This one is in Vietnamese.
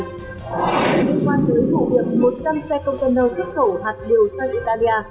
những quan cứu thủ việc một trăm linh xe container xức thổ hạt liều sang italia